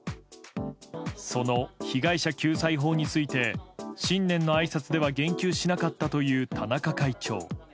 その被害者救済法について新年のあいさつでは言及しなかったという田中会長。